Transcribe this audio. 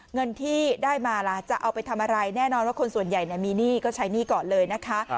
เงินที่ได้มาล่ะจะเอาไปทำอะไรแน่นอนว่าคนส่วนใหญ่มีหนี้ก็ใช้หนี้ก่อนเลยนะคะ